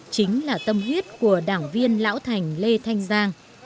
chính là tâm huyết của đảng viên lão thành lê thanh giang